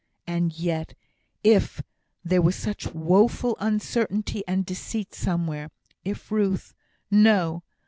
And yet, if there was such woeful uncertainty and deceit somewhere if Ruth No!